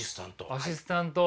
アシスタント。